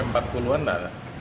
iya tiga empat puluh an ada